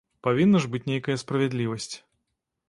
Павінна ж быць нейкая справядлівасць.